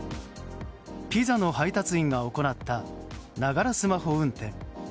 ピザの配達員が行ったながらスマホ運転。